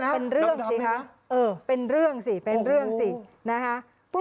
ดำนี่นะเออเป็นเรื่องสินะฮะโอ้โฮ